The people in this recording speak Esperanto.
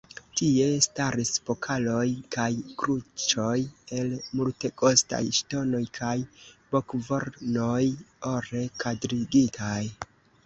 Tie staris pokaloj kaj kruĉoj el multekostaj ŝtonoj kaj bovkornoj, ore kadrigitaj.